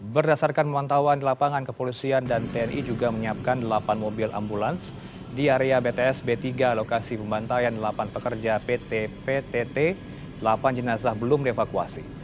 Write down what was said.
berdasarkan pemantauan di lapangan kepolisian dan tni juga menyiapkan delapan mobil ambulans di area bts b tiga lokasi pembantaian delapan pekerja pt ptt delapan jenazah belum dievakuasi